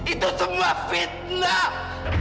itu semua fitnah